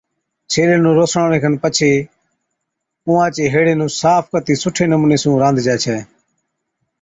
ڇيلي نُون روسڙاوَڻي کن پڇي اُونھان چي ھيڙي نُون صاف ڪتِي سُٺي نمُوني سُون رانڌجَي ڇَي